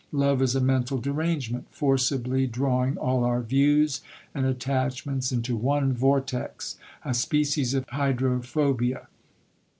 Love is a mental derangement, forcibly draw ing all our views and attachments into one vortex ; a species of hydrophobia.